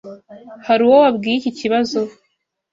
Hari uwo wabwiye iki kibazo?